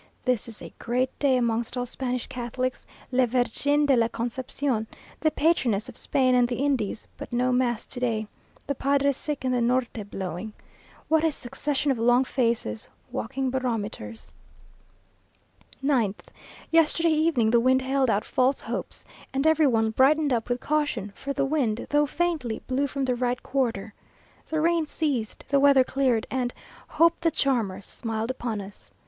This is a great day amongst all Spanish Catholics, Le Virgen de la Concepción, the patroness of Spain and the Indies; but no mass to day; the padre sick and the Norte blowing. What a succession of long faces walking barometers! 9th. Yesterday evening the wind held out false hopes, and every one brightened up with caution, for the wind, though faintly, blew from the right quarter. The rain ceased, the weather cleared, and "hope, the charmer," smiled upon us.